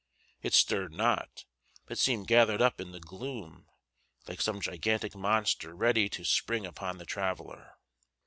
It stirred not, but seemed gathered up in the gloom, like some gigantic monster ready to spring upon the traveller.